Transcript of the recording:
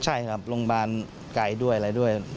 ใช่ครับโรงพยาบาลไกลด้วยอะไรด้วย